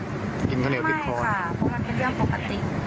ไม่ค่ะเพราะมันเป็นเรื่องปกติ